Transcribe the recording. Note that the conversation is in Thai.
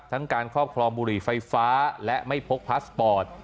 การครอบครองบุหรี่ไฟฟ้าและไม่พกพาสปอร์ต